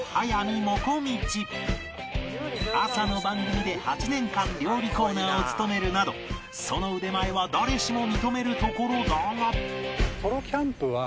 朝の番組で８年間料理コーナーを務めるなどその腕前は誰しも認めるところだが